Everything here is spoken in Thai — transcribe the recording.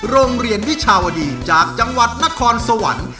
โรงเรียนวิชาวดีจากจังหวัดนครสวรรค์